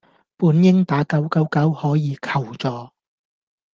本應打九九九可以求助